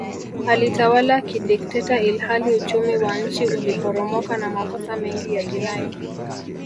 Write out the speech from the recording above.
Alitawala kidikteta ilihali uchumi wa nchi uliporomoka na makosa mengi ya jinai